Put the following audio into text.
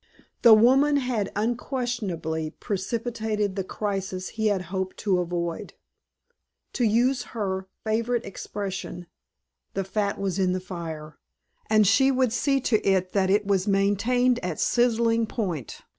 The woman had unquestionably precipitated the crisis he had hoped to avoid. To use her favorite expression, the fat was in the fire; and she would see to it that it was maintained at sizzling point.